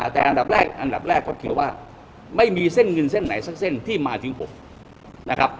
แต่อันดับแรกอันดับแรกก็เขียนว่าไม่มีเส้นเงินเส้นไหนสักเส้นที่มาถึงผมนะครับ